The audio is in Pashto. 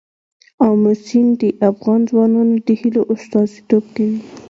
آمو سیند د افغان ځوانانو د هیلو استازیتوب کوي.